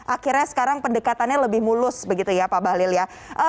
akhirnya sekarang pendekatannya lebih mulus begitu ya pak bahlil ya